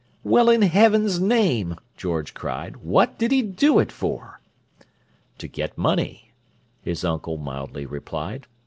"Well, in heaven's name," George cried, "what did he do it for?" "To get money," his uncle mildly replied.